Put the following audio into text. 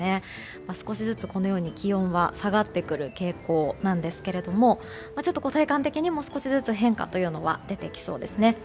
少しずつ気温は下がってくる傾向なんですがちょっと体感的にも少しずつ変化は出てきそうですね。